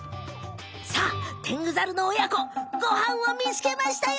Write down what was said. さあテングザルのおやこごはんをみつけましたよ！